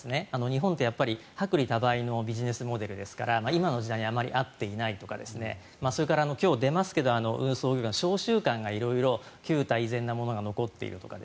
日本って薄利多売のビジネスモデルですから今の時代にあまり合っていないとかそれから、今日出ますけど運送業界の商習慣が色々、旧態依然なものが残っているとか。